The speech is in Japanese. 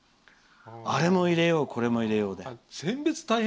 あれも入れようこれも入れようで。